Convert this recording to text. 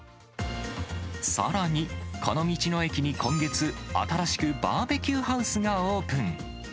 さらに、この道の駅に今月、新しくバーベキューハウスがオープン。